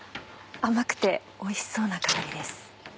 甘くておいしそうな香りです。